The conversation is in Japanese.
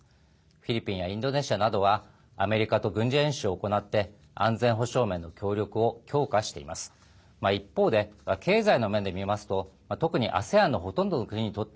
フィリピンやインドネシアなどはアメリカと軍事演習を行って安全保障面の協力を強化しています。